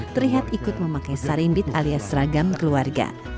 terlihat ikut memakai sarimbit alias ragam keluarga